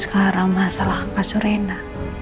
sekarang gue lagi bujuk nino